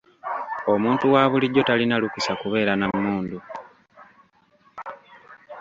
Omuntu wa bulijjo talina lukusa kubeera na mmundu.